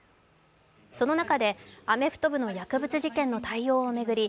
その中でアメフト部の薬物事件の対応を巡り